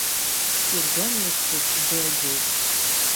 Спирдон ихьӡуп, Делбоуп.